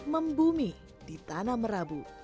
membumi di tanah merabu